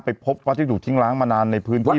พบวัดที่ถูกทิ้งล้างมานานในพื้นที่